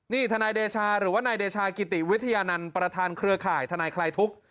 นี่ทนายเดชาหรือว่านายเดชากิติวิทยานันต์ประธานเครือข่ายทนายคลายทุกข์